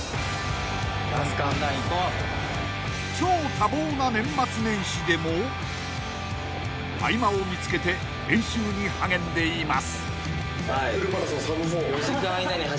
［超多忙な年末年始でも合間を見つけて練習に励んでいます］